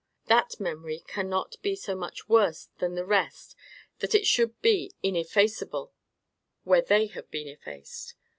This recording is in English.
That memory cannot be so much worse than the rest that it should be ineffaceable, where they have been effaced.